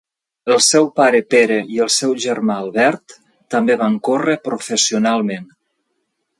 El seu pare Pere i el seu germà Albert també van córrer professionalment.